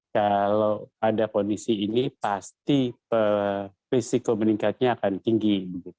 kalau ada kondisi ini pasti risiko meningkatnya akan tinggi